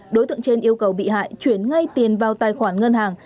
đối tượng trên yêu cầu bị hại chuyển ngay tiền vào tài khoản ngân hàng